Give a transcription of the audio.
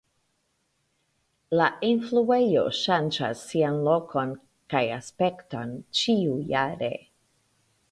La enfluejo ŝanĝas sian lokon kaj aspekton ĉiujare.